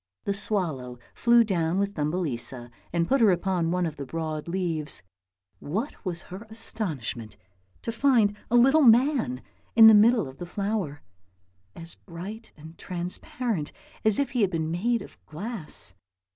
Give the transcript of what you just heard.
The swallow flew down with Thumbelisa and put her upon one of the broad leaves; what was her astonishment to find a little man in the middle of the flower, as bright and transparent as if he had been made of glass.